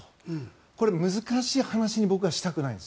これ、難しい話に僕はしたくないんです。